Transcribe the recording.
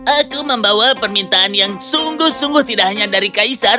aku membawa permintaan yang sungguh sungguh tidak hanya dari kaisar